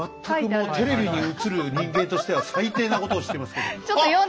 全くもうテレビに映る人間としては最低なことをしてますけど。